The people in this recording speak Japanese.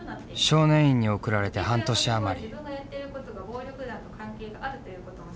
少年院に送られて半年余り。